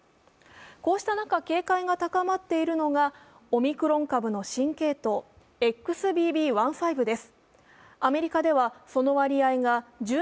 こうした中、警戒が高まっているのがオミクロン株の新系統、ＸＢＢ．１．５です。